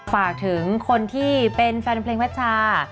ฝากถึงคนที่เป็นแฟนเพลงวัชชา